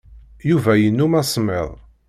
Yuba yennum asemmiḍ.